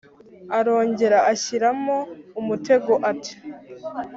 arongera ashyiramo umutego ati